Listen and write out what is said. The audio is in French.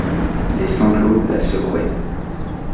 Les sanglots la secouaient.